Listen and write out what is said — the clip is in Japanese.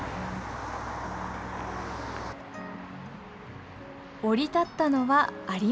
降り立ったのは有間川駅。